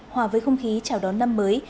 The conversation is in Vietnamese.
hòa với không khí chào đón năm mới